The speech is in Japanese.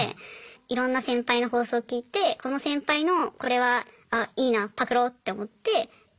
いろんな先輩の放送聞いてこの先輩のこれはあいいなパクろうって思ってあ